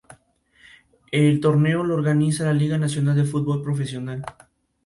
Con carácter social se practica tenis, pádel, petanca y fútbol, entre otras disciplinas deportivas.